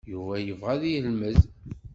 Yuba yebɣa ad yelmed.